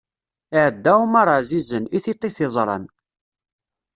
Iɛedda Ɛumer ɛzizen, i tiṭ i t-iẓran.